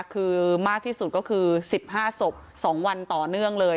คือมากที่สุดก็คือ๑๕ศพ๒วันต่อเนื่องเลย